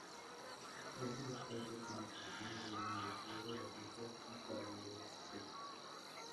Es director de comunicaciones de la Universidad de las Islas Baleares.